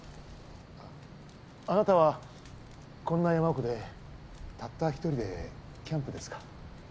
あなたはこんな山奥でたった一人でキャンプですか？